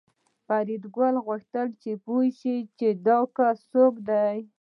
فریدګل غوښتل پوه شي چې دا کس څوک دی